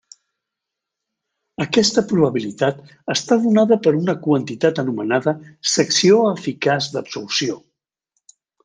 Aquesta probabilitat està donada per una quantitat anomenada secció eficaç d'absorció.